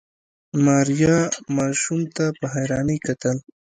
ماريا ماشوم ته په حيرانۍ کتل.